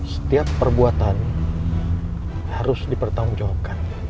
setiap perbuatan harus dipertanggungjawabkan